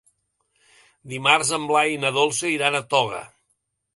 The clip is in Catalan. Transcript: Dimarts en Blai i na Dolça iran a Toga.